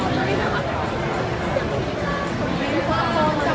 ช่องความหล่อของพี่ต้องการอันนี้นะครับ